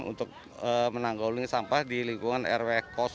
untuk menanggulungi sampah di lingkungan rw sembilan